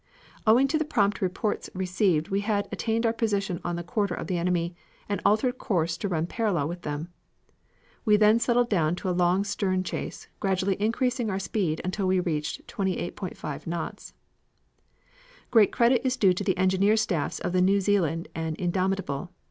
Owing to the prompt reports received we had attained our position on the quarter of the enemy, and altered course to run parallel to them. We then settled down to a long stern chase, gradually increasing our speed until we reached 28.5 knots. "Great credit is due to the engineer staffs of the New Zealand and Indomitable.